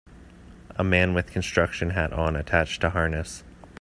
A man with construction hat on attached to harness.